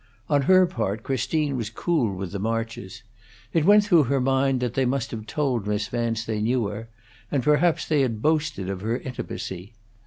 On her part, Christine was cool with the Marches. It went through her mind that they must have told Miss Vance they knew her; and perhaps they had boasted of her intimacy.